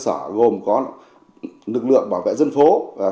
sở gồm có lực lượng bảo vệ dân phố và